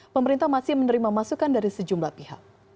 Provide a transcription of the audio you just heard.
pemerintah masih menerima masukan dari sejumlah pihak